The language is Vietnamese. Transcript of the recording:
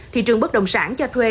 thị trường bất đồng sản cho thuê